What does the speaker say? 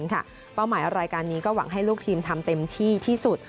เป้าหมายรายการนี้ก็หวังให้ลูกทีมทำเต็มที่ที่สุด